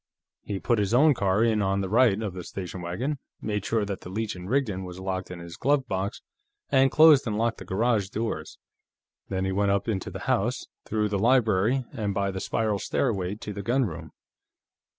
He put his own car in on the right of the station wagon, made sure that the Leech & Rigdon was locked in his glove box, and closed and locked the garage doors. Then he went up into the house, through the library, and by the spiral stairway to the gunroom.